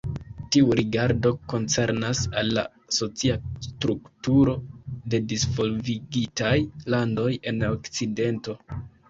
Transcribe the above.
Tiu rigardo koncernas al la socia strukturo de disvolvigitaj landoj en Okcidento.